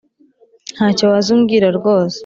Ntacyo waza umbwira rwose